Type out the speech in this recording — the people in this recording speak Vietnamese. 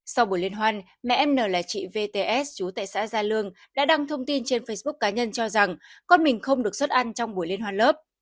sau buổi liên hoan mẹ em n là chị vts chú tại xã gia lương đã đăng thông tin trên facebook cá nhân cho rằng con mình không được xuất ăn trong buổi liên hoan lớp